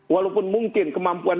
walaupun mungkin kemampuan